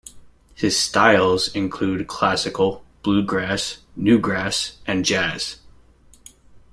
His styles include classical, bluegrass, newgrass, and jazz.